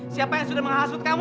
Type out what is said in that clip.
siapa yang sudah menghasut kamu